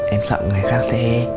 em sợ người khác sẽ